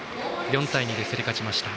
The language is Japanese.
４対２で競り勝ちました。